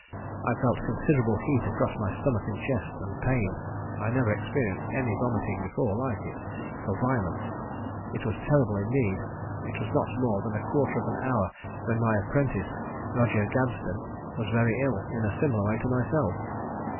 I felt considerable heat across my stomach and chest, and pain: I never experienced any vomiting before like it, for violence; it was terrible indeed. It was not more than a quarter of an hour when my apprentice, Roger Gadsden, was very ill, in a similar way to myself.